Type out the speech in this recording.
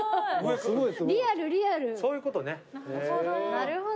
なるほど。